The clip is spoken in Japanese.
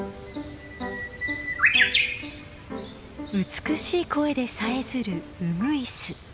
美しい声でさえずるウグイス。